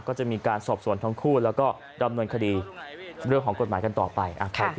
ก็จะมีการสอบสวนทั้งคู่แล้วก็ดำเนินคดีเรื่องของกฎหมายกันต่อไป